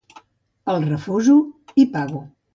El refuso i pago.